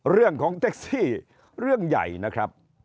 เรื่องของแท็กซี่เรื่องใหญ่นะครับ